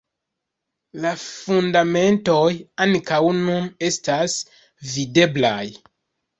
La fundamentoj ankaŭ nun estas videblaj.